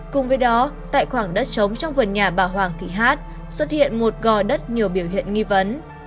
cùng với đó tại khoảng đất trống trong vườn nhà bà hoàng thị hát xuất hiện một gò đất nhiều biểu hiện nghi vấn